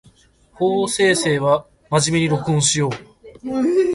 法政生は真面目に録音しよう